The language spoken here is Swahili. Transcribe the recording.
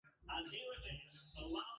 Uniulize maneno yeyote nikujibu